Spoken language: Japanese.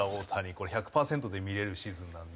これ１００パーセントで見れるシーズンなので。